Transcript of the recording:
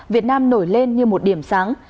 việt nam nổi lên như một điểm sáng